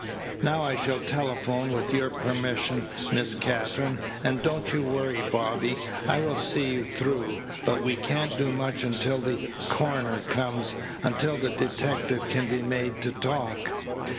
Now I shall telephone with your permission, Miss Katherine; and don't you worry, Bobby. I will see you through; but we can't do much until the coroner comes, until the detective can be made to talk."